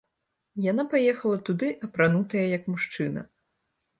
Яна паехала туды, апранутая як мужчына.